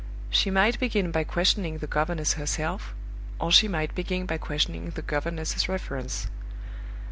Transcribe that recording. She might begin by questioning the governess herself, or she might begin by questioning the governess's reference.